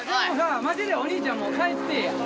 マジでお兄ちゃんもう帰ってえや。